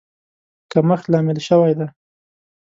کمښت لامل شوی دی.